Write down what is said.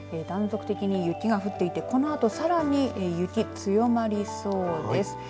断続的に雪が降っていてこのあとさらに雪、強まりそうです。